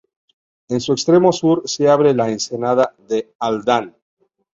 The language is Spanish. En su extremo sur se abre la ensenada de Aldán.